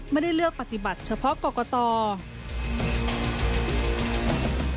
ไม่ได้เลือกปฏิบัติเฉพาะกรกต